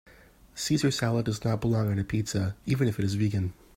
Caesar salad does not belong on a pizza even if it is vegan.